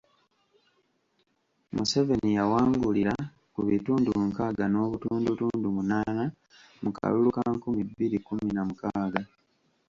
Museveni yawangulira ku bitundu nkaaga n’obutundutundu munaana mu kalulu ka nkumi bbiri kkumi na mukaaga.